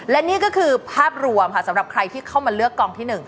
และนี่ก็คือภาพรวมค่ะสำหรับใครที่เข้ามาเลือกกองที่๑